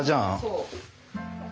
そう。